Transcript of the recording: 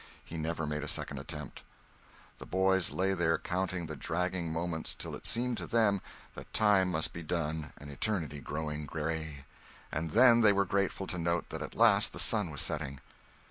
He never made a second attempt. The boys lay there counting the dragging moments till it seemed to them that time must be done and eternity growing gray; and then they were grateful to note that at last the sun was setting.